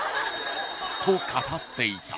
と語っていた。